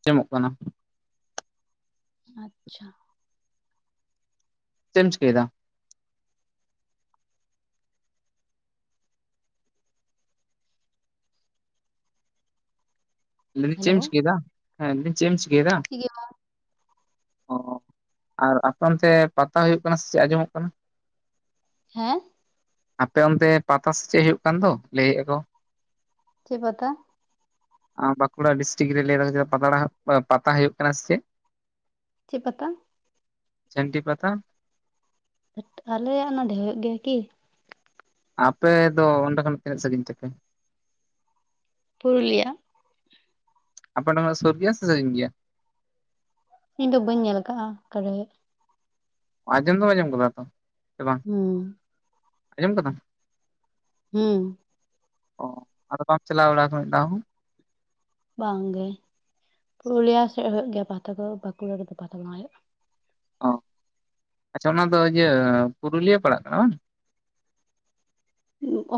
ᱟᱸᱡᱚᱢᱚᱜ ᱠᱟᱱᱟ ᱾ ᱟᱪ-ᱪᱷᱟ ᱾ ᱪᱮᱫ ᱮᱢ ᱪᱤᱠᱟᱹ ᱮᱫᱟ? ᱞᱟᱹᱤ ᱫᱟᱹᱧ ᱦᱮᱞᱳ ᱪᱮᱢ ᱪᱤᱠᱟᱹ ᱮᱫᱟ? ᱦᱮᱸ ᱞᱟᱹᱤᱧ ᱪᱮᱢ ᱪᱤᱠᱟᱹ ᱮᱫᱟ? [unintelligible] ᱚ ᱟᱨ ᱟᱯᱮ ᱚᱱᱛᱮ ᱯᱟᱛᱟ ᱦᱩᱭᱩᱜ ᱠᱟᱱᱟ ᱥᱮ ᱪᱮᱫ ᱟᱸᱡᱚᱢᱚᱜ ᱠᱟᱱᱟ? ᱦᱮᱸ ᱟᱯᱮ ᱚᱱᱛᱮ ᱯᱟᱛᱟ ᱥᱮ ᱪᱮᱫ ᱦᱳᱭᱩᱜ ᱠᱟᱱ ᱫᱚ ᱞᱟᱹᱭ ᱮ ᱟᱠᱚ? ᱪᱮᱫ ᱯᱟᱛᱟ? ᱟᱝ ᱵᱟᱸᱠᱩᱲᱟ ᱰᱤᱥᱴᱤᱠ ᱨᱮ ᱞᱟᱹᱭᱫᱟ ᱠᱚ ᱥᱮ ᱪᱮᱫ ᱯᱟᱛᱲᱟ ᱯᱟᱛᱟ ᱦᱩᱭᱩᱜ ᱠᱟᱱᱟ ᱥᱮ ᱪᱮᱫ? ᱪᱮᱫ ᱯᱟᱛᱟ? ᱡᱷᱟᱹᱱᱴᱤ ᱯᱟᱛᱟ ᱾ ᱟᱞᱮᱭᱟᱜ ᱱᱚᱰᱮᱷᱮ ᱦᱩᱭᱩᱜ ᱜᱮᱭᱟ ᱠᱤ? ᱟᱯᱮ ᱫᱚ ᱚᱸᱰᱮ ᱠᱷᱚᱱ ᱛᱤᱱᱟᱹᱜ ᱥᱟᱹᱜᱤᱧ ᱛᱮᱯᱮ? ᱯᱩᱨᱩᱞᱤᱭᱟ, ᱟᱯᱮ ᱚᱱᱰᱮ ᱠᱷᱚᱱ ᱥᱩᱨ ᱜᱮᱭᱟ ᱥᱮ ᱥᱟᱹᱜᱤᱧ ᱜᱮᱭᱟ? ᱤᱧ ᱫᱚ ᱵᱟᱹᱧ ᱧᱮᱞ ᱟᱠᱟᱜᱼᱟ ᱚᱠᱟᱨᱮ ᱦᱩᱭᱩᱜ-ᱟ ᱾ ᱟᱸᱡᱚᱢ ᱫᱚᱢ ᱟᱸᱡᱚᱢ ᱠᱟᱫᱟ ᱛᱚ, ᱥᱮ ᱵᱟᱝ ᱦᱩᱸ ᱟᱸᱡᱚᱢ ᱠᱟᱫᱟᱢ? ᱦᱩᱸ ᱚ ᱟᱫᱚ ᱵᱟᱢ ᱪᱟᱞᱟᱣ ᱵᱟᱲᱟᱣ ᱠᱟᱱᱟ ᱢᱤᱫ ᱫᱷᱟᱣ ᱦᱚᱸ? ᱵᱟᱝ ᱜᱮ᱾ ᱯᱩᱨᱩᱞᱤᱭᱟ ᱥᱮᱫ ᱦᱩᱭᱩᱜ ᱜᱮᱭᱟ ᱯᱟᱛᱟ ᱠᱚ, ᱵᱟᱸᱠᱩᱲᱟ ᱨᱮᱫᱚ ᱯᱟᱛᱟ ᱠᱚ ᱵᱟᱝ ᱦᱩᱭᱩᱜᱼᱟ ᱾ ᱚ ᱟᱪᱪᱷᱟ, ᱚᱱᱟ ᱫᱚ ᱤᱭᱟᱹ ᱯᱩᱨᱩᱞᱤᱭᱟᱹ ᱯᱟᱲᱟᱜ ᱠᱟᱱᱟ ᱵᱟᱝ?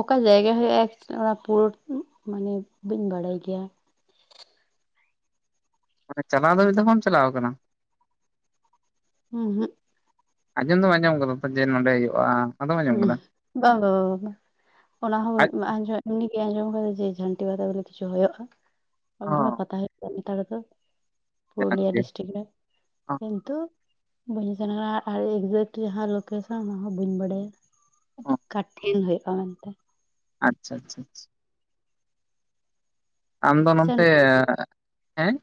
ᱚᱠᱟ ᱡᱟᱭᱜᱟ ᱦᱩᱭᱩᱜᱼᱟ ᱚᱱᱟ ᱯᱩᱨᱟᱹ ᱢᱟᱱᱮ ᱵᱟᱹᱧ ᱵᱟᱲᱟᱭ ᱜᱮᱭᱟ ᱾ ᱢᱟᱱᱮ ᱪᱟᱞᱟᱣ ᱫᱚ ᱢᱤᱫ ᱫᱷᱟᱣ ᱦᱚᱸ ᱵᱟᱢ ᱪᱟᱞᱟᱣ ᱟᱠᱟᱱᱟ? ᱩᱸ-ᱦᱩᱸ ᱟᱸᱡᱚᱢ ᱫᱚᱢ ᱟᱸᱡᱚᱢ ᱟᱠᱟᱫᱟ ᱛᱚ ᱡᱮ ᱱᱚᱰᱮ ᱦᱩᱭᱩᱜᱼᱟ? ᱟᱫᱚᱢ ᱟᱸᱡᱚᱢ ᱠᱟᱫᱟ ᱦᱩᱸ ᱵᱟᱝ-ᱵᱟᱝ-ᱵᱟᱝ ᱚᱱᱟ ᱦᱚᱸ ᱟᱡ ᱦᱩᱭᱩᱜ ᱟᱸᱡᱚᱜ ᱩᱱᱤ ᱜᱮ ᱟᱸᱡᱚᱢ ᱟᱠᱟᱫᱟ ᱡᱮ ᱡᱷᱟᱹᱱᱴᱤ ᱯᱟᱛᱟ ᱵᱚᱞᱮ ᱠᱤᱪᱷᱩ ᱦᱩᱭᱩᱜᱳᱼᱟ, ᱮᱠᱫᱢᱮ ᱦᱚᱸ ᱯᱟᱛᱟ ᱦᱩᱭᱩᱜᱼᱟ ᱥᱟᱱᱛᱟᱲ ᱫᱚ ᱡᱟᱠ ᱯᱩᱨᱩᱞᱤᱭᱟᱹ ᱜᱮ ᱰᱤᱥᱴᱤᱠ ᱨᱮ ᱚᱸ ᱠᱤᱱᱛᱩ ᱵᱟᱹᱧ ᱥᱮᱱ ᱠᱟᱱᱟ ᱟᱨ ᱮᱠᱡᱮᱠᱴ ᱡᱟᱦᱟᱸ ᱞᱳᱠᱮᱥᱚᱱ ᱚᱱᱟ ᱦᱚᱸ ᱵᱟᱹᱧ ᱵᱟᱲᱟᱭᱟ ᱾ [unintelligible] ᱚᱠᱟ ᱴᱷᱮᱱ ᱦᱩᱭᱩᱜᱼᱟ ᱢᱮᱱᱛᱮ ᱟᱪᱪᱷᱟ ᱟᱪᱷᱟ ᱪᱷᱟ ᱟᱢ ᱫᱚ ᱥᱮᱱ ᱱᱚᱱᱚᱛᱮ ᱦᱮᱸ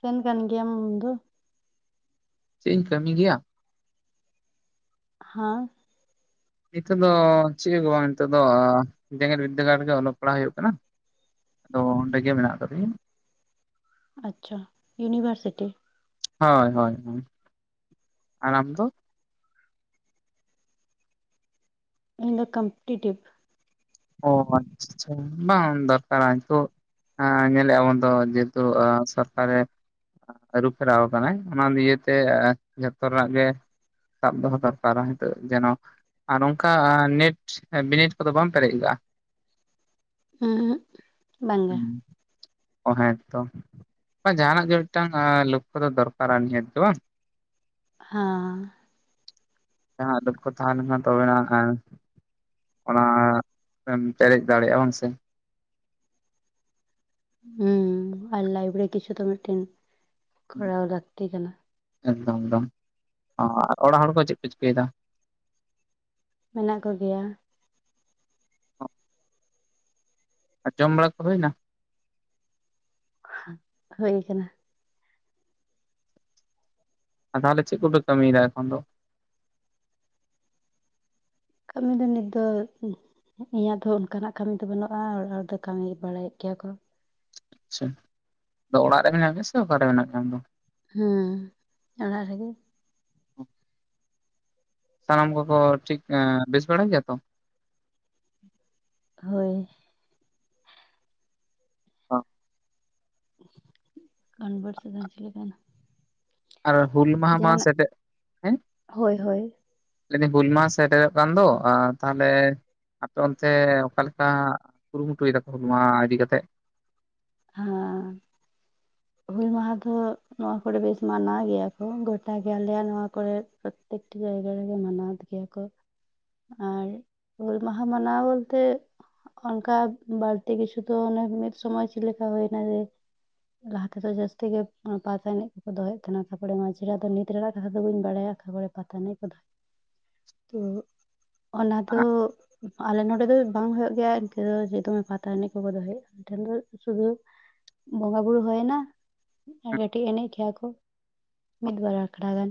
ᱥᱮᱱ ᱠᱟᱱ ᱜᱮᱭᱟᱢ ᱟᱢ ᱫᱚ- ᱪᱮᱫ ᱤᱧ ᱠᱟᱹᱢᱤ ᱜᱮᱭᱟ? ᱦᱮᱸ ᱱᱤᱛᱚᱜ ᱫᱚ ᱪᱮᱫ ᱦᱚᱝ ᱜᱮ ᱵᱚᱝ ᱱᱤᱛᱚᱜ ᱫᱚ ᱡᱮᱸᱜᱮᱛ ᱵᱤᱫᱽᱫᱟᱹᱜᱟᱲ ᱨᱮᱜᱮ ᱚᱞᱚᱜ ᱯᱟᱲᱦᱟᱜ ᱦᱩᱭᱩᱜ ᱠᱟᱱᱟ ᱾ ᱟᱫᱚ ᱚᱸᱰᱮ ᱜᱮ ᱢᱮᱱᱟᱜ ᱠᱟᱫᱤᱧᱟ ᱾ ᱟᱪᱪᱷᱟ ᱤᱭᱩᱱᱤᱵᱷᱟᱨᱥᱤᱴᱤ᱾ ᱦᱳᱭ ᱦᱳᱭ, ᱟᱨ ᱟᱢ ᱫᱚ? ᱤᱧ ᱫᱚ ᱠᱚᱢᱯᱮᱴᱤᱴᱤᱵᱷ, ᱚ ᱟᱪᱷᱟ ᱟᱪᱷᱟ ᱾ ᱵᱟᱝ ᱫᱚᱨᱠᱟᱨᱟ ᱱᱤᱛᱚᱜ ᱦᱟᱸ ᱧᱮᱞᱮᱼᱟᱵᱚᱱ ᱛᱚ ᱡᱮᱦᱮᱛᱩ ᱥᱚᱨᱠᱟᱨᱮ ᱟᱹᱨᱩ ᱯᱷᱮᱨᱟᱣ ᱠᱟᱱᱟᱭ ᱾ ᱚᱱᱟ ᱞᱤᱭᱮᱛᱮ ᱡᱚᱛᱚ ᱨᱮᱱᱟᱜ ᱜᱮ ᱥᱟᱵ ᱫᱚᱦᱚ ᱫᱚᱨᱠᱟᱨᱟ ᱱᱤᱛᱚᱜ ᱡᱮᱱᱚ ᱟᱨ ᱚᱱᱠᱟ ᱱᱮᱴ ᱵᱤᱱᱤᱰ ᱠᱚᱫᱚ ᱵᱟᱢ ᱯᱮᱨᱮᱡ ᱠᱟᱜ-ᱟ? ᱩᱸᱦᱩᱜ ᱵᱟᱝᱜᱮ ᱚ ᱦᱮᱸᱛᱚ ᱾ ᱵᱟᱝ ᱡᱟᱦᱟᱱᱟᱜ ᱜᱮ ᱢᱤᱫᱴᱟᱝ ᱞᱚᱠᱠᱷᱚ ᱫᱚ ᱫᱚᱨᱠᱟᱨᱟ ᱱᱤᱦᱟᱹᱛ ᱜᱮ ᱵᱟᱝ᱾ ᱦᱟᱸ᱾ ᱡᱟᱦᱟᱸ ᱞᱚᱠᱷᱚ ᱛᱟᱦᱮᱸᱱ ᱞᱮᱱᱠᱷᱟᱱ ᱛᱚᱵᱮᱱᱟᱜ ᱚᱱᱟ ᱮᱢ ᱯᱮᱨᱮᱡ ᱫᱟᱲᱮᱜᱼᱟ ᱵᱟᱝ ᱥᱮ᱾ ᱦᱩᱸ ᱟᱨ ᱞᱟᱤᱯᱷ ᱨᱮ ᱠᱤᱪᱷᱩ ᱛᱚ ᱢᱤᱫᱴᱮᱱ ᱠᱚᱨᱟᱣ ᱞᱟᱹᱠᱛᱤ ᱠᱟᱱᱟ᱾ ᱮᱠᱫᱚᱢ ᱮᱠᱫᱚᱢ ᱚ ᱟᱨ ᱚᱲᱟᱜ ᱦᱚᱲ ᱠᱚ ᱪᱮᱫ ᱠᱚ ᱪᱤᱠᱟᱹᱭᱮᱫᱟ? ᱢᱮᱱᱟᱜ ᱠᱚ ᱜᱮᱭᱟ᱾ ᱟᱨ ᱡᱚᱢ ᱵᱟᱲᱟ ᱠᱚ ᱦᱩᱭᱱᱟ? ᱦᱳᱭ ᱠᱟᱱᱟ᱾ ᱟ ᱛᱟᱦᱚᱞᱮ ᱪᱮᱫ ᱠᱚᱯᱮ ᱠᱟᱹᱢᱤᱭᱮᱫᱟ ᱮᱠᱷᱚᱱ ᱫᱚ? ᱠᱟᱹᱢᱤ ᱫᱚ ᱱᱤᱛ ᱫᱚ ᱤᱧᱟᱹᱜ ᱫᱚ ᱚᱱᱠᱟᱱᱟᱜ ᱠᱟᱹᱢᱤ ᱫᱚ ᱵᱟᱹᱱᱩᱜᱼᱟ ᱦᱚᱲ ᱦᱚᱲ ᱫᱚ ᱠᱟᱹᱢᱤ ᱵᱟᱲᱟᱭᱮᱫ ᱜᱮᱭᱟ ᱠᱚ᱾ ᱟᱪᱪᱷᱟ᱾ ᱟᱫᱚ ᱚᱲᱟᱜ ᱨᱮ ᱢᱮᱱᱟᱜ ᱢᱮᱭᱟ ᱥᱮ ᱚᱠᱟᱨᱮ ᱢᱮᱱᱟᱜ ᱢᱮᱭᱟ ᱟᱢ ᱫᱚ? ᱦᱩᱸ ᱚᱲᱟᱜ ᱨᱮᱜᱮ᱾ ᱥᱟᱱᱟᱢ ᱠᱚᱠᱚ ᱴᱷᱤᱠ ᱮᱸ ᱵᱮᱥ ᱵᱟᱲᱟ ᱜᱮᱭᱟ ᱛᱚ? ᱦᱳᱭ᱾ [unintelligible] [unintelligible] ᱟᱨ ᱦᱩᱞ ᱢᱟᱦᱟ ᱢᱟ ᱡᱟᱦᱟᱱᱟᱜ ᱥᱮᱴᱮ ᱦᱮᱸ? ᱦᱳᱭ ᱦᱳᱭ ᱞᱟᱹᱭ ᱫᱟᱹᱧ ᱦᱩᱞ ᱢᱟᱦᱟ ᱥᱮᱴᱮᱨᱚᱜ ᱠᱟᱱ ᱫᱚ ᱟ ᱛᱟᱦᱞᱮ ᱟᱯᱮ ᱚᱱᱛᱮ ᱚᱠᱟᱮᱠᱟ ᱠᱩᱨᱩᱢᱩᱴᱩᱭ ᱫᱟᱠᱚ ᱦᱩᱞ ᱢᱟᱦᱟ ᱤᱫᱤ ᱠᱟᱛᱮᱜ᱾ ᱦᱟᱸ ᱦᱩᱞ ᱢᱟᱦᱟ ᱡᱟᱦᱟ ᱫᱚ ᱱᱚᱣᱟ ᱠᱚᱨᱮ ᱵᱮᱥ ᱢᱟᱱᱟᱣ ᱜᱮᱭᱟ ᱠᱚ ᱜᱚᱴᱟ ᱜᱮ ᱟᱞᱮᱭᱟ ᱱᱚᱣᱟ ᱠᱚᱨᱮᱫ᱾ ᱯᱨᱚᱛᱮᱠᱴᱤ ᱡᱟᱭᱜᱟ ᱨᱮᱜᱮ ᱢᱟᱱᱟᱣ ᱜᱮᱭᱟᱠᱚ᱾ ᱟᱨ ᱦᱩᱞ ᱢᱟᱦᱟ ᱢᱟᱱᱟᱣ ᱵᱚᱞᱛᱮ ᱚᱱᱠᱟ ᱵᱟᱲᱛᱤ ᱠᱤᱪᱷᱩ ᱫᱚ ᱚᱱᱮ ᱢᱤᱫ ᱥᱚᱢᱚᱭ ᱪᱮᱫ ᱞᱮᱠᱟ ᱦᱩᱭᱱᱟ ᱡᱮ ᱞᱟᱦᱟ ᱛᱮᱫᱚ ᱡᱟᱹᱥᱛᱤ ᱜᱮ ᱚᱱᱟ ᱯᱟᱛᱟ ᱮᱱᱮᱡ ᱠᱚᱠᱚ ᱫᱚᱦᱚᱭᱮᱫ ᱛᱟᱦᱮᱱᱟ ᱛᱟᱯᱚᱨᱮ ᱢᱟᱡᱮᱟᱜ ᱫᱚ ᱱᱤᱛ ᱨᱮᱱᱟᱜ ᱠᱟᱛᱷᱟ ᱫᱚ ᱵᱟᱹᱧ ᱵᱟᱲᱟᱭᱟ ᱛᱟᱨᱚᱨᱮ᱾ [unintelligible] ᱛᱚ ᱚᱱᱟ ᱫᱚ ᱟᱞᱮ ᱱᱚᱰᱮ ᱫᱚ ᱵᱟᱝ ᱦᱚᱭᱩᱜ ᱜᱮᱭᱟ ᱤᱱᱠᱟᱹ ᱡᱮ ᱫᱚᱢᱮ ᱯᱟᱛᱟ ᱱᱮᱱᱡ ᱠᱚᱠᱚ ᱫᱚᱦᱚᱭᱟ ᱟᱞᱮ ᱴᱷᱮᱱ ᱫᱚ᱾ ᱥᱩᱫᱷᱩ ᱵᱚᱸᱜᱟ ᱵᱩᱨᱩ ᱦᱚᱭᱱᱟ, ᱟᱨᱠᱟᱹᱴᱳᱡ ᱮᱱᱮᱡ ᱠᱮᱭᱟᱠᱚ, ᱾ ᱢᱤᱫᱵᱟᱨ ᱜᱷᱚᱱᱟ ᱜᱟᱱ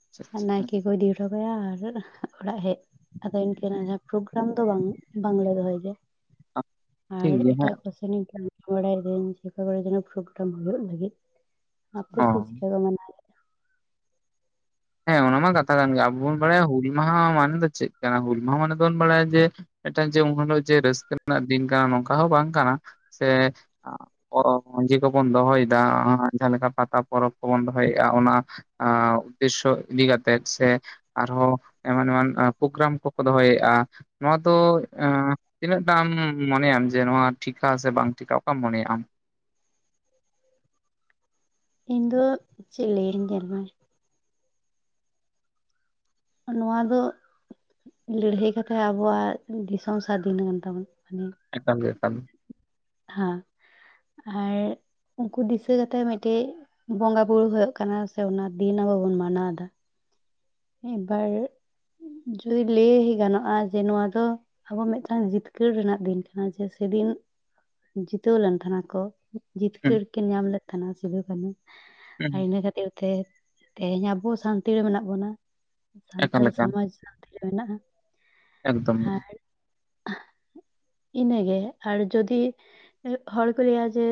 ᱟᱪᱪᱷᱟ ᱟᱨ ᱟᱪᱪᱷᱟ᱾ ᱱᱟᱭᱠᱮ ᱠᱚ ᱤᱫᱤ ᱦᱚᱴ ᱦᱚᱴᱚᱠᱟᱭᱟ ᱟᱨ ᱚᱲᱟᱜ ᱦᱮᱡ᱾ ᱟᱫᱚ ᱤᱱᱠᱟᱹᱱᱟᱜ ᱡᱟᱦᱟᱸ ᱯᱨᱳᱜᱨᱟᱢ ᱫᱚ ᱵᱟᱝ ᱵᱟᱝᱞᱮ ᱫᱚᱦᱚᱭ ᱜᱮᱭᱟ᱾ [inaudible] ᱟᱨ ᱦᱮᱸ ᱮᱴᱟᱜ ᱠᱚᱥᱮᱱᱤᱧ ᱠᱟᱹᱢᱤ ᱵᱟᱲᱟᱭ ᱫᱟᱹᱧ, ᱪᱤᱠᱟᱹ ᱵᱟᱲᱟᱭ ᱫᱟᱹᱧ, ᱚᱱᱟ ᱯᱨᱩᱯᱴᱟᱝ ᱦᱳᱭᱳᱜ ᱞᱟᱹᱜᱤᱫ᱾ ᱚ ᱟᱠᱮᱥᱮᱫ ᱪᱮᱫᱠᱟ ᱠᱚ ᱢᱟᱱᱟᱣ ᱜᱮᱭᱟ? ᱦᱮᱸ ᱚᱱᱟ ᱢᱟ ᱠᱟᱛᱷᱟ ᱠᱟᱱ ᱜᱮᱭᱟ, ᱟᱵᱚ ᱵᱚᱱ ᱵᱟᱲᱟᱭᱟ ᱦᱩᱞ ᱢᱟᱦᱟ ᱢᱟᱱᱮ ᱫᱚ ᱪᱮᱫ ᱠᱟᱱᱟ, ᱦᱩᱞ ᱢᱟᱦᱟ ᱢᱟᱱᱮ ᱫᱚᱵᱚᱱ ᱵᱟᱲᱟᱭᱟ ᱡᱮ ᱢᱤᱫᱴᱟᱝ ᱡᱮ ᱩᱱᱦᱤᱞᱳᱜ ᱡᱮ ᱨᱟᱹᱥᱠᱟᱹ ᱨᱮᱱᱟᱜ ᱫᱤᱱ ᱠᱟᱱᱟ ᱱᱚᱝᱠᱟ ᱦᱚᱸ ᱵᱟᱝ ᱠᱟᱱᱟ, ᱥᱮ ᱯᱚᱨᱚᱵ ᱢᱟᱹᱡᱷᱤ ᱠᱚᱵᱚᱱ ᱫᱚᱦᱚᱭᱫᱟ ᱚᱱᱟ ᱡᱟᱦᱟᱸ ᱞᱮᱠᱟ ᱯᱟᱛᱟ ᱯᱚᱨᱚᱵᱽ ᱠᱚᱵᱚᱱ ᱫᱚᱦᱚᱭᱮᱜᱼᱟ ᱚᱱᱟ ᱟ ᱩᱫᱽᱫᱮᱥᱥᱚ ᱤᱫᱤ ᱠᱟᱛᱮᱫ, ᱥᱮ ᱟᱨᱦᱚᱸ ᱮᱢᱟᱱ ᱮᱢᱟᱱ ᱯᱳᱜᱜᱨᱟᱢ ᱠᱚᱠᱚ ᱫᱚᱦᱚᱭᱮᱜᱼᱟ, ᱱᱚᱣᱟ ᱫᱚ ᱮᱸ ᱛᱤᱱᱟᱹᱜ ᱴᱟᱢ ᱢᱚᱱᱮᱭᱟᱢ ᱡᱮ ᱱᱚᱣᱟ ᱴᱷᱤᱠᱟ ᱥᱮ ᱵᱟᱝ ᱴᱷᱤᱠᱟ ᱚᱠᱟᱢ ᱢᱚᱱᱮᱭᱟ ᱟᱢ? ᱤᱧ ᱫᱚ ᱪᱮᱫ ᱞᱟᱹᱭᱟᱹᱧ ᱧᱮᱞᱢᱮ ᱱᱚᱣᱟ ᱫᱚ ᱞᱟᱹᱲᱦᱟᱹᱭ ᱠᱟᱛᱮᱜ ᱟᱵᱳᱣᱟᱜ ᱫᱤᱥᱚᱢ ᱥᱟᱫᱷᱤᱱ ᱠᱟᱱ ᱛᱟᱵᱚᱱᱟ, ᱢᱟᱱᱮ ᱮᱠᱟᱞᱜᱮ ᱮᱠᱟᱞᱜᱮ᱾ ᱦᱟᱸ, ᱟᱨ ᱩᱱᱠᱩ ᱫᱤᱥᱟᱹ ᱠᱟᱛᱮᱜ ᱢᱮᱫᱴᱮᱡ ᱵᱚᱸᱜᱟ ᱵᱩᱨᱩ ᱦᱳᱭᱳᱜ ᱠᱟᱱᱟ ᱥᱮ, ᱚᱱᱟ ᱫᱤᱱ ᱟᱵᱚ ᱵᱚᱱ ᱢᱟᱱᱟᱣ ᱫᱟ ᱢᱤᱫ ᱵᱟᱨ ᱡᱩᱫᱤ ᱞᱟᱹᱭ ᱜᱟᱱᱚᱜᱼᱟ ᱡᱮ ᱱᱚᱣᱟ ᱫᱚ ᱟᱵᱚ ᱢᱮᱫᱴᱟᱝ ᱡᱤᱛᱠᱟᱹᱨ ᱨᱮᱱᱟᱜ ᱫᱤᱱ ᱠᱟᱱᱟ, ᱡᱮ ᱥᱮᱫᱤᱱ ᱡᱤᱛᱟᱹᱣ ᱞᱮᱱ ᱛᱟᱦᱮᱱ ᱟᱠᱳ᱾ ᱦᱩᱸ ᱡᱤᱛᱠᱟᱹᱨ ᱠᱤᱱ ᱧᱟᱢ ᱞᱮᱫ ᱛᱟᱦᱮᱱᱟ ᱥᱤᱫᱷᱩ ᱠᱟᱹᱱᱩ, ᱦᱩᱸ ᱟᱨ ᱤᱱᱟᱹ ᱠᱷᱟᱹᱛᱤᱨ ᱛᱮ ᱛᱮᱦᱮᱧ ᱟᱵᱚ ᱥᱟᱱᱛᱤ ᱨᱮ ᱢᱮᱱᱟᱜ ᱵᱚᱱᱟ᱾ ᱮᱠᱟᱞ ᱥᱟᱱᱛᱟᱲ ᱮᱠᱟᱞ ᱥᱚᱢᱟᱡᱽ ᱥᱟᱱᱛᱤ ᱨᱮ ᱢᱮᱱᱟᱜᱼᱟ᱾ ᱮᱠᱫᱚᱢ ᱦᱩᱸ ᱟᱨ ᱤᱱᱟᱹᱜᱮ, ᱟᱨ ᱡᱩᱫᱤ ᱦᱚᱲ ᱠᱚ ᱞᱟᱹᱭᱟ ᱡᱮ,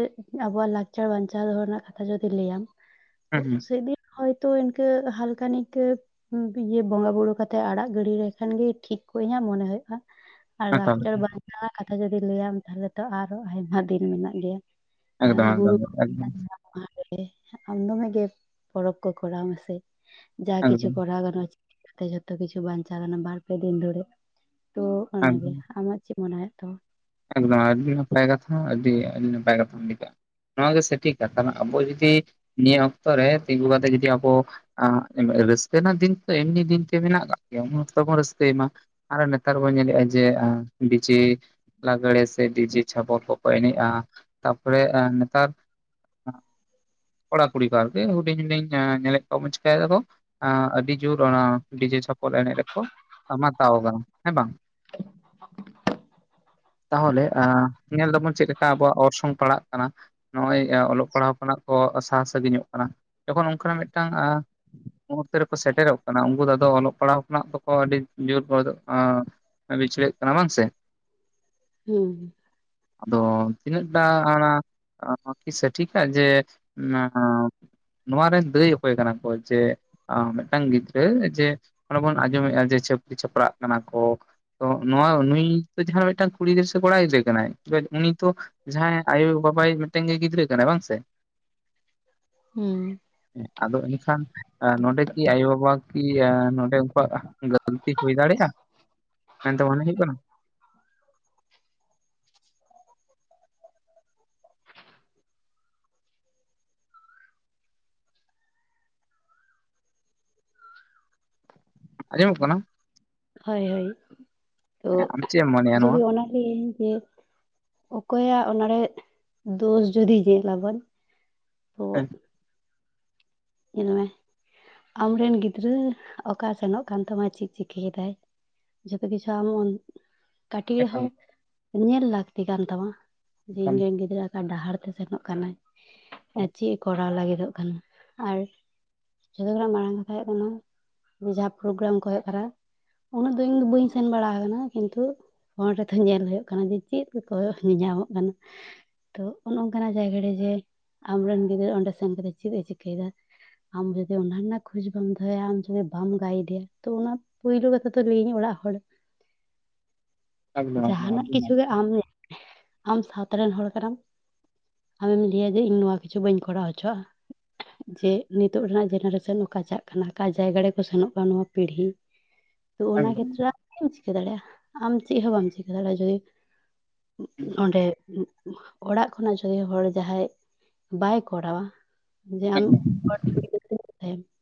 ᱟᱵᱚᱣᱟᱜ ᱞᱟᱠᱪᱟᱨ ᱵᱟᱧᱪᱟᱣ ᱫᱚᱦᱚ ᱨᱮᱱᱟᱜ ᱠᱟᱛᱷᱟ ᱡᱚᱫᱤ ᱞᱟᱹᱭ ᱟᱢ᱾ ᱛᱚ, ᱦᱩᱸ ᱥᱮᱫᱤᱱ ᱦᱚᱭᱛᱚ ᱤᱱᱠᱟᱹ ᱦᱟᱞᱠᱟ ᱱᱤᱠᱮ ᱤᱭᱟᱹ ᱵᱚᱸᱜᱟ ᱵᱩᱨᱩ ᱠᱟᱛᱮᱜ ᱟᱲᱟᱜ ᱜᱤᱰᱤ ᱞᱮᱠᱷᱟᱱ ᱜᱤ ᱴᱷᱤᱠ ᱠᱚᱜ ᱤᱧᱟᱹᱜ ᱢᱚᱱᱮ ᱦᱩᱭᱩᱜᱼᱟ᱾ ᱟᱨ ᱦᱟᱛᱟᱣ ᱞᱟᱠᱪᱟᱨ ᱞᱮᱠᱟ ᱵᱟᱧᱪᱟᱣᱟᱜ ᱠᱟᱛᱷᱟ ᱡᱚᱫᱤ ᱞᱟᱹᱭᱟᱢ ᱛᱟᱦᱚᱞᱮ ᱛᱚ ᱟᱨᱦᱚ ᱟᱭᱢᱟ ᱫᱮᱨᱤ ᱢᱮᱱᱟᱜ ᱜᱮᱭᱟ᱾ ᱦᱮᱸ, ᱮᱠᱫᱚᱢ ᱜᱩᱨᱩ᱾ ᱮᱠᱫᱚᱢ ᱮᱠᱫᱚᱢ [unintelligible] ᱚᱱᱟᱜᱮ, ᱟᱢ ᱫᱚᱢᱮ ᱜᱮ ᱯᱚᱨᱚᱵᱽ ᱠᱚ ᱠᱚᱨᱟᱣ ᱢᱮᱥᱮ ᱡᱟ ᱠᱤᱪᱷᱩ ᱮᱠᱫᱚᱢ [unintelligible] ᱡᱷᱚᱛᱚ ᱠᱤᱪᱷᱩ ᱵᱟᱧᱪᱟᱣ ᱜᱟᱱᱚᱜᱼᱟ ᱵᱟᱨ ᱯᱮ ᱫᱤᱱ ᱫᱷᱚᱨᱮ, ᱛᱚ ᱚᱱᱟ ᱜᱮ᱾ ᱮᱠᱫᱚᱢ ᱟᱢᱟᱜ ᱪᱮᱫ ᱢᱚᱱᱮ ᱦᱚᱭᱳᱜ ᱛᱟᱢᱟ? ᱮᱠᱫᱚᱢ, ᱟᱹᱰᱤ ᱱᱟᱯᱟᱭ ᱠᱟᱛᱷᱟ ᱟᱹᱰᱤ ᱟᱹᱰᱤ ᱱᱟᱯᱟᱭ ᱠᱟᱛᱷᱟᱢ ᱞᱟᱹᱭ ᱠᱟᱜᱼᱟ᱾ ᱱᱚᱣᱟ ᱜᱮ ᱥᱮᱴᱷᱤᱠ ᱠᱟᱛᱷᱟ, ᱟᱵᱚ ᱡᱩᱫᱤ ᱱᱤᱭᱟᱹ ᱚᱠᱛᱚ ᱨᱮ ᱛᱤᱸᱜᱩ ᱠᱟᱛᱮ ᱡᱩᱫᱤ ᱟᱵᱚ ᱟᱸ ᱨᱟᱹᱥᱠᱟᱹ ᱨᱮᱱᱟᱜ ᱫᱤᱱ ᱛᱚ ᱮᱢᱱᱤ ᱫᱤᱱᱛᱮ ᱢᱮᱱᱟᱜ ᱠᱟᱜ ᱜᱮᱭᱟ, ᱩᱱ ᱚᱠᱛᱚ ᱵᱚᱱ ᱨᱟᱹᱥᱠᱟᱹᱭ ᱢᱟ᱾ ᱟᱨᱚ ᱱᱮᱛᱟᱨ ᱵᱚᱱ ᱧᱮᱞᱮᱜᱼᱟ, ᱡᱮ ᱟᱸ ᱰᱤᱡᱮ ᱞᱟᱜᱽᱲᱮ ᱥᱮ ᱰᱤᱡᱮ ᱪᱷᱟᱯᱚᱞ ᱠᱚᱠᱚ ᱮᱱᱮᱡᱼᱟ, ᱛᱟᱨᱯᱚᱨᱮ ᱱᱮᱛᱟᱨ ᱠᱚᱲᱟ ᱠᱩᱲᱤ ᱠᱚ ᱟᱨᱠᱤ ᱦᱩᱸᱰᱤᱧ ᱦᱩᱸᱰᱤᱧ ᱧᱮᱞ ᱠᱚᱣᱟ ᱵᱚᱱ ᱪᱤᱠᱟᱹᱭ ᱫᱟᱠᱚ ᱟᱸ ᱟᱹᱰᱤ ᱡᱳᱨ ᱚᱱᱟ ᱰᱤᱡᱮ ᱪᱷᱟᱯᱚᱞ ᱮᱱᱮᱡ ᱨᱮᱠᱚ ᱢᱟᱛᱟᱣ ᱠᱟᱱᱟ, ᱦᱮᱸ ᱵᱟᱝ? ᱛᱟᱦᱚᱞᱮ, ᱟᱸ ᱧᱮᱞ ᱫᱟᱵᱚᱱ ᱪᱮᱫ ᱞᱮᱠᱟ ᱟᱵᱚᱣᱟᱜ ᱚᱨᱥᱚᱝ ᱯᱟᱲᱟᱜ ᱠᱟᱱᱟ᱾ ᱱᱚᱜᱼᱚᱭ ᱚᱞᱚᱜ ᱯᱟᱲᱦᱟᱣ ᱠᱷᱚᱱᱟᱜ ᱠᱚ ᱥᱟᱦᱟ ᱥᱟᱸᱜᱤᱧᱚᱜ ᱠᱟᱱᱟ᱾ ᱡᱚᱠᱷᱚᱱ ᱚᱱᱠᱟᱱᱟᱜ ᱢᱤᱫᱴᱟᱝ ᱢᱩᱦᱩᱨᱛᱚ ᱨᱮᱠᱚ ᱥᱮᱴᱮᱨᱚᱜ ᱠᱟᱱᱟ, ᱩᱱᱠᱩ ᱫᱚ ᱟᱫᱚ ᱚᱞᱚᱜ ᱯᱟᱲᱦᱟᱜ ᱠᱷᱚᱱᱟᱜ ᱫᱚᱠᱚ ᱟᱹᱰᱤ ᱡᱳᱨ ᱵᱤᱪᱷᱞᱟᱹᱜ ᱠᱟᱱᱟ ᱵᱟᱝ ᱥᱮ? ᱦᱩᱸ᱾ ᱟᱫᱚ, ᱛᱤᱱᱟᱹᱜ ᱴᱟ ᱚᱱᱟ ᱦᱚᱸ ᱠᱤ ᱥᱚᱴᱷᱤᱠᱼᱟ ᱡᱮ ᱚᱱᱟ ᱱᱚᱣᱟ ᱨᱮ ᱫᱟᱹᱭ ᱚᱠᱚᱭ ᱠᱟᱱᱟ ᱠᱚ? ᱡᱮ ᱢᱤᱫᱴᱟᱝ ᱜᱤᱫᱽᱨᱟᱹ ᱡᱮ ᱚᱸᱱᱮ ᱵᱚᱱ ᱟᱸᱡᱚᱢᱮᱫᱼᱟ, ᱡᱮ ᱪᱷᱟᱹᱯᱨᱤ ᱪᱷᱟᱯᱨᱟᱜ ᱠᱟᱱᱟ ᱠᱚ᱾ ᱛᱚ ᱱᱚᱣᱟ ᱱᱩᱭ ᱡᱟᱦᱟᱸᱱᱟᱜ ᱢᱤᱫᱴᱟᱝ ᱠᱩᱲᱤ ᱜᱤᱫᱨᱟᱹ ᱥᱮ ᱠᱚᱲᱟ ᱜᱤᱫᱽᱨᱟᱹ ᱠᱟᱱᱟᱭ, ᱩᱱᱤ ᱛᱚ ᱡᱟᱦᱟᱸᱭ ᱟᱭᱳ ᱵᱟᱵᱟᱭᱤᱡ ᱢᱤᱫᱴᱮᱱ ᱜᱮ ᱜᱤᱫᱽᱨᱟᱹ ᱠᱟᱱᱟᱭ, ᱵᱟᱝ ᱥᱮ? ᱦᱩᱸ᱾ ᱦᱮᱸ, ᱟᱫᱚ ᱮᱱᱮᱠᱷᱟᱱ ᱟᱸ ᱱᱚᱸᱰᱮ ᱠᱤ ᱟᱭᱳ ᱵᱟᱵᱟ ᱠᱤ ᱱᱚᱸᱰᱮ ᱩᱱᱠᱩᱣᱟᱜ ᱜᱟᱹᱞᱛᱤ ᱦᱩᱭ ᱫᱟᱲᱮᱭᱟᱜᱼᱟ? ᱢᱮᱱᱫᱚ ᱢᱚᱱᱮ ᱦᱩᱭᱩᱜ ᱠᱟᱱᱟ? ᱟᱸᱡᱚᱢᱚᱜ ᱠᱟᱱᱟ? ᱦᱳᱭ ᱦᱳᱭ, ᱛᱚ ᱦᱮᱸ ᱟᱢ ᱪᱮᱫ ᱮᱢ ᱢᱚᱱᱮᱭᱟ ᱱᱚᱣᱟ ᱡᱩᱫᱤ ᱚᱱᱟ ᱞᱟᱹᱭᱟᱹᱧ ᱡᱮ ᱚᱠᱚᱭᱟᱜ ᱚᱱᱟ ᱨᱮ ᱫᱳᱥ ᱡᱩᱫᱤ ᱧᱮᱞ ᱟᱵᱚᱱ ᱛᱚ ᱦᱮᱸ᱾ ᱧᱮᱞ ᱢᱮ ᱟᱢᱨᱮᱱ ᱜᱤᱫᱽᱨᱟᱹ ᱚᱠᱟ ᱥᱮᱱᱚᱜ ᱠᱟᱱ ᱛᱟᱢᱟ, ᱪᱮᱫ ᱪᱤᱠᱟᱹᱭ ᱮᱫᱟᱭ᱾ ᱡᱷᱚᱛᱚ ᱠᱤᱪᱷᱩ ᱟᱢ ᱚᱱ ᱠᱟᱹᱴᱤᱡ ᱮᱠᱟᱞ ᱨᱮᱦᱚᱸ ᱧᱮᱞ ᱞᱟᱹᱠᱛᱤ ᱠᱟᱱ ᱛᱟᱢᱟ ᱡᱮ ᱮᱠᱟᱞ ᱤᱧᱨᱮᱱ ᱜᱤᱫᱽᱨᱟᱹ ᱰᱟᱦᱟᱨ ᱛᱮ ᱥᱮᱱᱚᱜ ᱠᱟᱱᱟᱭ, ᱟᱨ ᱪᱮᱫ ᱮ ᱠᱚᱨᱟᱣ ᱞᱟᱹᱜᱤᱫᱚᱜ ᱠᱟᱱᱟ ᱾ ᱟᱨ ᱡᱷᱚᱛᱚ ᱠᱷᱚᱱᱟᱜ ᱢᱟᱨᱟᱝ ᱠᱟᱛᱷᱟ ᱦᱳᱭᱳᱜ ᱠᱟᱱᱟ, ᱡᱟᱦᱟᱸ ᱯᱨᱳᱜᱨᱟᱢ ᱠᱚ ᱦᱳᱭᱳᱜ ᱠᱟᱱᱟ᱾ ᱩᱱᱟᱹᱜ ᱫᱚ ᱤᱧ ᱫᱚ ᱵᱟᱹᱧ ᱥᱮᱱ ᱵᱟᱲᱟ ᱠᱟᱱᱟ᱾ ᱠᱤᱱᱛᱩ ᱯᱷᱳᱱ ᱨᱮᱫᱚ ᱧᱮᱞ ᱦᱩᱭᱩᱜ ᱠᱟᱱᱟ, ᱡᱮ ᱪᱮᱫ ᱠᱚ ᱧᱮᱞ ᱧᱟᱢᱚᱜ ᱠᱟᱱᱟ᱾ ᱛᱳ ᱚᱱᱮ ᱚᱱᱠᱟᱱᱟᱜ ᱡᱟᱭᱜᱟ ᱨᱮᱜᱮ ᱡᱮ, ᱟᱢ ᱨᱮᱱ ᱜᱤᱫᱽᱨᱟᱹ ᱚᱸᱱᱰᱮ ᱥᱮᱱ ᱠᱟᱛᱮᱜ ᱪᱮᱫ ᱮ ᱪᱤᱠᱟᱹᱭᱮᱫᱟ᱾ ᱟᱢ ᱡᱚᱫᱤ ᱚᱱᱟ ᱠᱷᱚᱡᱽ ᱵᱟᱢ ᱫᱚᱦᱚᱭᱟ, ᱟᱢ ᱡᱩᱫᱤ ᱵᱟᱢ ᱜᱟᱭᱤᱰᱮᱭᱟ ᱛᱚ ᱚᱱᱟ ᱯᱳᱭᱞᱳ ᱠᱟᱛᱷᱟ ᱛᱚ ᱞᱟᱹᱭᱟᱹᱧ ᱚᱲᱟᱜ ᱦᱚᱲ, ᱮᱠᱫᱚᱢ ᱮᱠᱫᱚᱢ ᱡᱟᱦᱟᱱᱟᱜ ᱟᱹᱵᱤᱱ ᱠᱤᱪᱷᱩ ᱜᱮ ᱟᱢ ᱟᱢ ᱥᱟᱶᱛᱟ ᱨᱮᱱ ᱦᱚᱲ ᱠᱟᱱᱟᱢ, ᱟᱢᱮᱢ ᱞᱟᱹᱭᱟ ᱡᱮ ᱤᱧ ᱱᱚᱣᱟ ᱠᱤᱪᱷᱩ ᱵᱟᱹᱧ ᱠᱚᱨᱟᱣ ᱦᱚᱪᱚᱣᱟᱜᱼᱟ᱾ ᱡᱮ ᱱᱤᱛᱚᱜ ᱨᱮᱱᱟᱜ ᱡᱮᱱᱟᱨᱮᱥᱚᱱ ᱚᱠᱟ ᱪᱟᱜ ᱠᱟᱱᱟ᱾ ᱚᱠᱟ ᱡᱟᱭᱜᱟ ᱨᱮᱠᱚ ᱥᱮᱱᱚᱜ ᱠᱟᱱᱟ ᱱᱚᱣᱟ ᱯᱤᱲᱦᱤ᱾ ᱛᱚ ᱚᱱᱟ ᱮᱠᱫᱚᱢ ᱠᱷᱮᱛᱨᱮ ᱟᱢ ᱪᱮᱫ ᱮᱢ ᱪᱤᱠᱟᱹ ᱫᱟᱲᱮᱭᱟᱜᱼᱟ, ᱟᱢ ᱪᱮᱫ ᱦᱚᱸ ᱵᱟᱢ ᱪᱤᱠᱟᱹ ᱫᱟᱲᱮᱭᱟᱜᱼᱟ᱾ ᱡᱩᱫᱤ ᱱᱚᱸᱰᱮ ᱚᱲᱟᱜ ᱠᱷᱚᱱᱟᱜ [inaudible] ᱦᱚᱲ ᱡᱟᱦᱟᱸᱭ ᱵᱟᱭ ᱠᱚᱨᱟᱣᱟ᱾ ᱟᱢ ᱮᱠᱫᱚᱢ [unintelligible] ᱦᱚᱲ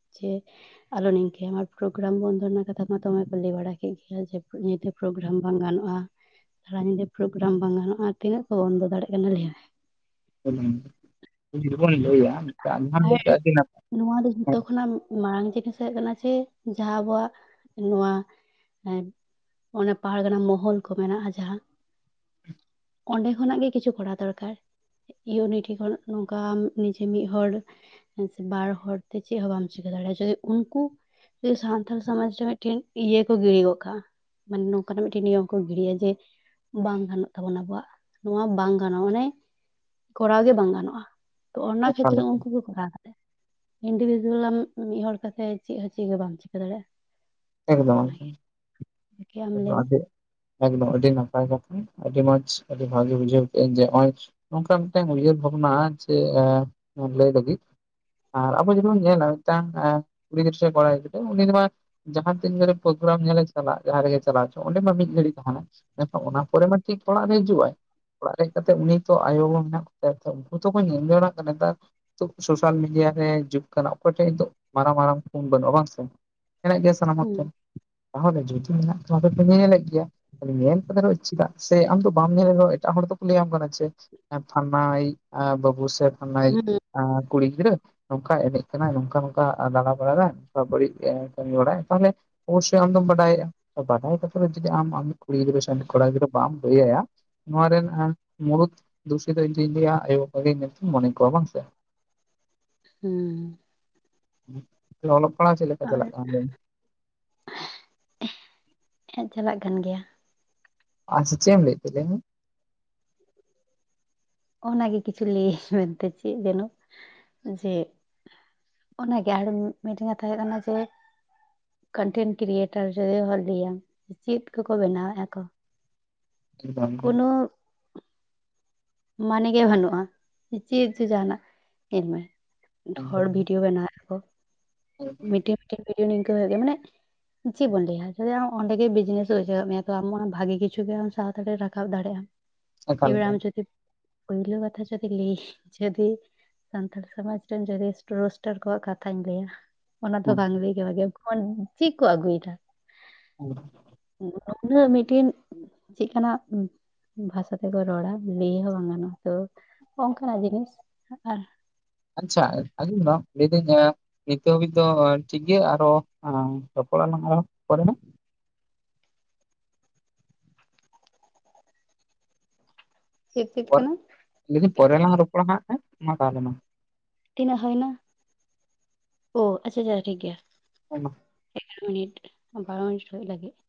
ᱟᱞᱚ ᱱᱤᱝᱠᱟᱹ ᱟᱢ, ᱟᱨ ᱯᱨᱳᱜᱨᱟᱢ ᱵᱚᱱᱫᱚ ᱨᱮᱱᱟᱜ ᱠᱟᱛᱷᱟ ᱢᱟ ᱫᱚᱢᱮ ᱠᱚ ᱞᱟᱹᱭ ᱵᱟᱲᱟ ᱠᱮᱫ ᱜᱮᱭᱟ᱾ ᱡᱮ ᱯᱨᱳᱜᱨᱟᱢ ᱵᱟᱝ ᱜᱟᱱᱚᱜᱼᱟ, ᱥᱟᱨᱟ ᱧᱤᱫᱟᱹ ᱯᱨᱳᱜᱨᱟᱢ ᱵᱟᱝ ᱜᱟᱱᱚᱜᱼᱟ᱾ ᱛᱤᱱᱟᱹᱜ ᱠᱚ ᱵᱚᱱᱫᱚ ᱫᱟᱲᱮᱭᱟᱜ ᱠᱟᱱᱟ ᱞᱟᱹᱭᱢᱮ᱾ ᱡᱩᱫᱤ ᱵᱚᱱ ᱞᱟ. ᱭᱟ ᱢᱮ ᱟᱨ [unintelligible] ᱱᱚᱣᱟ ᱫᱚ ᱡᱷᱚᱛᱚ ᱠᱷᱚᱱᱟᱜ ᱢᱟᱨᱟᱝ ᱡᱤᱱᱤᱥ ᱦᱩᱭᱩᱜ ᱠᱟᱱᱟ ᱡᱮ, ᱡᱟᱦᱟᱸ ᱟᱵᱚᱣᱟᱜ ᱱᱚᱣᱟ ᱦᱮᱸ ᱚᱱᱮ, ᱯᱟᱦᱟᱲᱜᱟᱱᱟ ᱢᱚᱦᱚᱞ ᱠᱚ ᱢᱮᱱᱟᱜᱼᱟ ᱡᱟᱸᱦᱟ ᱚᱸᱰᱮ ᱠᱷᱚᱱᱟᱜ ᱜᱮ ᱠᱤᱪᱷᱩ ᱠᱚᱨᱟᱣ ᱫᱚᱨᱠᱟᱨ, ᱤᱭᱩᱱᱤᱴ ᱠᱷᱚᱱ ᱱᱚᱝᱠᱟ ᱢᱤᱫ ᱦᱚᱲ ᱵᱟᱨ ᱦᱚᱲᱛᱮ ᱪᱮᱫ ᱦᱚᱸ ᱵᱟᱢ ᱪᱤᱠᱟᱹ ᱫᱟᱲᱮᱭᱟᱜᱼᱟ᱾ ᱡᱚᱫᱤ ᱩᱱᱠᱩ ᱡᱮ ᱥᱟᱱᱛᱟᱞ ᱥᱚᱢᱟᱡᱽ ᱨᱮ ᱢᱤᱫᱴᱮᱱ ᱤᱭᱟᱹ ᱠᱚ ᱜᱤᱲᱤ ᱜᱚᱜ ᱠᱟᱜ-ᱟ᱾ ᱢᱟᱱᱮ ᱱᱚᱝᱠᱟᱱᱟᱜ ᱢᱤᱫᱴᱮᱱ ᱱᱤᱭᱚᱢ ᱠᱚ ᱜᱤᱰᱤᱭᱟ ᱡᱮ, ᱵᱟᱝ ᱜᱟᱱᱚᱜ ᱛᱟᱵᱚᱱᱟ ᱟᱵᱚᱣᱟᱜ᱾ ᱱᱚᱣᱟ ᱵᱟᱝ ᱜᱟᱱᱚᱜᱼᱟ, ᱢᱟᱱᱮ ᱠᱚᱨᱟᱣ ᱜᱮ ᱵᱟᱝ ᱜᱟᱱᱚᱜᱼᱟ᱾ ᱛᱚ ᱚᱱᱟ ᱮᱠᱟᱞ ᱠᱷᱟᱹᱛᱤᱨ ᱩᱱᱠᱩ ᱠᱚ ᱠᱚᱨᱟᱣ ᱮᱫᱟ᱾ ᱤᱱᱰᱤᱵᱷᱤᱡᱩᱞᱟᱢ ᱢᱤᱫ ᱦᱚᱲ ᱠᱟᱛᱮᱫ ᱪᱮᱫ ᱦᱚᱸ ᱪᱮᱫ ᱦᱚᱸ ᱵᱟᱢ ᱪᱤᱠᱟᱹ ᱫᱟᱲᱮᱭᱟᱜᱼᱟ᱾ ᱮᱠᱫᱚᱢ ᱚᱱᱟᱜᱮ ᱟᱢ ᱞᱟᱹᱭ ᱮᱠᱫᱚᱢ ᱢᱮ ᱮᱠᱫᱚᱢ᱾ [unintelligible] ᱮᱠᱫᱚᱢ ᱟᱹᱰᱤ ᱱᱟᱯᱟᱭ ᱠᱟᱛᱷᱟ᱾ ᱟᱹᱰᱤ ᱢᱚᱸᱡᱽ ᱟᱹᱰᱤ ᱵᱷᱟᱜᱮ ᱵᱩᱡᱷᱟᱹᱣ ᱠᱮᱫ ᱟᱧ ᱡᱮ ᱱᱚᱜᱚᱭ ᱱᱚᱝᱠᱟ ᱢᱤᱫᱴᱟᱝ ᱩᱭᱦᱟᱹᱨ ᱵᱷᱟᱵᱽᱱᱟ ᱡᱮ, ᱞᱟᱹᱭ ᱞᱟᱹᱜᱤᱫ ᱟᱨ ᱟᱵᱚ ᱡᱩᱫᱤ ᱵᱚᱱ ᱧᱮᱞᱟ, ᱢᱤᱫᱴᱟᱝ ᱠᱩᱲᱤ ᱜᱤᱫᱽᱨᱟᱹ ᱥᱮ ᱠᱚᱲᱟ ᱜᱤᱫᱽᱨᱟᱹ ᱩᱱᱤ ᱫᱚ ᱢᱟ ᱡᱟᱦᱟᱸ ᱛᱤᱱ ᱜᱮ ᱯᱨᱳᱜᱨᱟᱢ ᱧᱮᱞᱮ ᱪᱟᱞᱟᱜ ᱡᱟᱦᱟᱸ ᱨᱮᱜᱮ ᱪᱟᱞᱟᱣ ᱦᱚᱪᱚᱼᱟ, ᱚᱸᱰᱮ ᱢᱟ ᱢᱤᱫ ᱜᱷᱟᱹᱲᱤᱡ ᱛᱟᱦᱮᱱᱟ᱾ ᱢᱮᱱᱠᱷᱟᱱ ᱚᱱᱟ ᱯᱚᱨᱮ ᱢᱟ ᱴᱷᱤᱠ ᱚᱲᱟᱜ ᱨᱮ ᱦᱤᱡᱩᱜᱼᱟᱭ᱾ ᱚᱲᱟᱜ ᱦᱮᱡ ᱠᱟᱛᱮᱫ ᱩᱱᱤ ᱛᱚ ᱟᱭᱳ ᱵᱟᱵᱟ ᱦᱚᱸ ᱢᱮᱱᱟᱜ ᱠᱚᱛᱟᱭᱟ, ᱩᱱᱠᱩ ᱛᱚᱠᱚ ᱧᱮᱞ ᱫᱟᱲᱮᱭᱟᱜ ᱠᱟᱱᱟ ᱱᱮᱛᱟᱨ ᱥᱳᱥᱟᱞ ᱢᱤᱰᱤᱭᱟ ᱨᱮ ᱡᱩᱜᱽ ᱠᱟᱱᱟ᱾ ᱚᱠᱚᱭ ᱴᱷᱮᱱ ᱫᱚ ᱢᱟᱨᱟᱝ ᱢᱟᱨᱟᱝ ᱯᱷᱩᱱ ᱵᱟᱹᱱᱩᱜᱼᱟ ᱵᱟᱝ ᱥᱮ᱾ ᱧᱮᱞᱮᱫ ᱜᱮᱭᱟ ᱥᱟᱱᱟᱢ ᱦᱚᱲ ᱦᱩᱸ ᱴᱷᱮᱱ, ᱛᱟᱦᱚᱞᱮ ᱡᱩᱫᱤ ᱢᱮᱱᱟᱜ ᱛᱟᱢᱮ ᱧᱮᱞᱮᱫ ᱜᱮᱭᱟ। ᱧᱮᱞ ᱠᱟᱛᱮ ᱨᱮᱦᱚᱸ ᱪᱮᱫᱟᱜ ᱥᱮ ᱟᱢ ᱫᱚ ᱵᱟᱢ ᱧᱮᱞᱨᱮᱦᱚᱸ ᱮᱴᱟᱜ ᱦᱚᱲ ᱫᱚᱠᱚ ᱞᱟᱹᱭᱟᱢ ᱠᱟᱱᱟ ᱪᱮ᱾ ᱯᱷᱟᱞᱱᱟᱭᱤᱡ ᱵᱟᱹᱵᱩ ᱥᱮ, ᱯᱷᱟᱞᱱᱟᱭᱤᱡ ᱦᱩᱸ ᱠᱩᱲᱤ ᱜᱤᱫᱽᱨᱟᱹ, ᱱᱚᱝᱠᱟ ᱮᱱᱮᱡ ᱠᱟᱱᱟ ᱱᱚᱝᱠᱟ ᱱᱚᱝᱠᱟ ᱫᱟᱬᱟ ᱵᱟᱲᱟᱭᱟᱫᱟ᱾ ᱱᱚᱝᱠᱟ ᱵᱟᱹᱲᱤᱡ [unintelligible] ᱛᱟᱦᱚᱞᱮ ᱚᱵᱚᱥᱥᱳᱭ ᱟᱢᱫᱚᱢ ᱵᱟᱰᱟᱭᱮᱜᱼᱟ᱾ ᱵᱟᱰᱟᱭ ᱠᱟᱛᱮ ᱡᱚᱫᱤ ᱟᱢ ᱠᱩᱲᱤ ᱜᱤᱫᱽᱨᱟᱹ ᱥᱮ ᱠᱚᱲᱟ ᱜᱤᱫᱽᱨᱟᱹ ᱵᱟᱢ ᱞᱟᱹᱭ ᱟᱭᱟ᱾ ᱱᱚᱣᱟ ᱨᱮᱱ ᱢᱩᱲᱩᱫ ᱫᱩᱥᱤ ᱫᱚ ᱤᱧ ᱫᱚᱧ ᱞᱟ. ᱭᱟ, ᱟᱭᱳᱼᱵᱟᱵᱟ ᱢᱮᱱᱛᱮ ᱢᱚᱱᱮ ᱠᱚᱣᱟ ᱵᱟᱝ ᱥᱮ᱾ ᱦᱩᱸ᱾ ᱚᱞᱚᱜ ᱯᱟᱲᱦᱟᱜ ᱪᱮᱫ ᱞᱮᱠᱟ ᱪᱟᱞᱟᱜ ᱠᱟᱱ ᱞᱟᱹᱭ ᱢᱮ? ᱦᱮᱸ ᱪᱟᱞᱟᱜ ᱠᱟᱱ ᱜᱮᱭᱟ᱾ ᱟᱪᱪᱷᱟ ᱪᱮᱫ ᱮᱢ ᱞᱟᱹᱭ ᱮᱛ ᱞᱟᱹᱭ ᱢᱮ? ᱚᱱᱟᱜᱮ ᱠᱤᱪᱷᱩ ᱞᱟᱹᱭᱟᱹᱧ ᱢᱮᱱᱛᱮ ᱪᱮᱫ ᱡᱮᱱᱚ ᱡᱮ, ᱚᱱᱟ ᱜᱮ ᱟᱨ ᱢᱤᱫᱴᱟᱝ ᱠᱟᱛᱷᱟ ᱦᱩᱭᱩ ᱠᱟᱱᱟ ᱡᱮ, ᱠᱚᱱᱴᱮᱱ ᱠᱨᱤᱭᱮᱴᱟᱨ ᱨᱮ ᱵᱷᱟᱞᱤᱭᱟ, ᱪᱮᱫ ᱠᱚᱠᱚ ᱵᱮᱱᱟᱣᱮᱫ ᱟᱠᱚ᱾ ᱮᱠᱡᱟᱢᱤᱥᱚᱱ, ᱢᱟᱱᱮ ᱜᱮ ᱵᱟᱹᱱᱩᱜᱼᱟ, ᱪᱮᱫ ᱡᱮ ᱡᱟᱦᱟᱸᱱᱟᱜ ᱧᱮᱞᱢᱮ ᱦᱚᱲ ᱮᱠᱫᱚᱢ ᱵᱷᱤᱰᱭᱳ ᱵᱮᱱᱟᱣᱮᱜ ᱟᱠᱚ, ᱢᱤᱫᱴᱮᱱ ᱢᱤᱫᱴᱮᱱ ᱵᱷᱤᱰᱭᱳ ᱱᱤᱝᱠᱟᱹ ᱦᱩᱭᱩᱜ ᱜᱮᱭᱟ ᱢᱟᱱᱮ ᱪᱮᱫ ᱵᱚᱱ ᱞᱟᱹᱭᱟ ᱡᱮ ᱟᱢ ᱚᱸᱰᱮ ᱜᱮ ᱵᱤᱡᱱᱮᱥ ᱵᱩᱡᱟᱹᱣᱟᱜ ᱢᱮᱭᱟ ᱠᱚ ᱟᱢ ᱚᱱᱟ ᱵᱷᱟᱜᱮ ᱠᱤᱪᱷᱩ ᱜᱮ ᱟᱢ ᱥᱟᱶᱛᱟ ᱨᱮ ᱨᱟᱠᱟᱵ ᱫᱟᱲᱮᱜ ᱟᱢ᱾ ᱮᱠᱟᱞ ᱮᱵᱟᱨ ᱮᱠᱟᱞ ᱟᱢ ᱡᱩᱫᱤ, ᱯᱳᱭᱞᱳ ᱠᱟᱛᱷᱟ ᱡᱩᱫᱤ [inaudible] ᱡᱩᱫᱤ ᱥᱟᱱᱛᱟᱲ ᱥᱚᱢᱟᱡᱽ ᱨᱮᱱ ᱡᱩᱫᱤ ᱨᱳᱥᱴᱟᱨ ᱠᱚᱣᱟᱜ ᱠᱟᱛᱷᱟᱧ ᱞᱟᱹᱭᱟ ᱚᱱᱟ ᱫᱚ ᱵᱟᱝ ᱞᱟᱹᱭ ᱜᱮ ᱵᱷᱟᱜᱮᱭᱟ, ᱮᱠᱷᱚᱱ ᱪᱮᱫ ᱠᱚ ᱟᱹᱜᱩᱭᱮᱫᱟ᱾ [inaudible] ᱩᱱᱟᱹᱜ ᱢᱤᱫᱴᱮᱱ ᱪᱮᱫ ᱠᱟᱱᱟᱜ ᱵᱷᱟᱥᱟ ᱛᱮᱠᱚ ᱨᱚᱲᱟ ᱞᱟᱹᱭ ᱦᱚᱸ ᱵᱟᱝ ᱜᱟᱱᱚᱜᱼᱟ ᱛᱚ, ᱚᱝᱠᱟᱱᱟᱜ ᱡᱤᱱᱤᱥ ᱟᱨ ᱟᱪᱪᱷᱟ ᱟᱸᱡᱚᱢ ᱫᱟᱢ ᱞᱟᱹᱭᱫᱟᱹᱧ ᱱᱤᱛᱚᱜ ᱦᱟᱹᱵᱤᱡ ᱫᱚ ᱴᱷᱤᱠ ᱜᱮᱭᱟ ᱟᱨᱦᱚᱸ ᱟᱸ ᱨᱚᱯᱚᱲ ᱟᱞᱟᱝ ᱟᱨᱦᱚᱸ ᱯᱚᱨᱮ [unintelligible] ᱪᱮᱫ ᱪᱮᱫ ᱠᱟᱱᱟ? ᱞᱟᱹᱭᱫᱟᱹᱧ ᱯᱚᱨᱮ ᱞᱟᱝ ᱨᱚᱯᱚᱲᱟ ᱦᱟᱸᱜ ᱦᱮᱸ, ᱢᱟ ᱛᱟᱦᱚᱞᱮ ᱢᱟ᱾ ᱛᱤᱱᱟᱹᱜ ᱦᱳᱭᱱᱟ? ᱳ ᱟᱪᱪᱷᱟ ᱟᱪᱪᱷᱟ ᱴᱷᱤᱠ ᱜᱮᱭᱟ᱾ [unintelligible] ᱮᱜᱟᱨᱚ ᱢᱤᱱᱤᱴ, ᱳ ᱵᱟᱨᱳ ᱢᱤᱱᱤᱴ ᱦᱩᱭᱩᱜ ᱞᱟᱹᱜᱤᱜ,